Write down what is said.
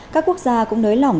các quốc gia cũng nới lỏng